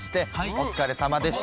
お疲れさまでした。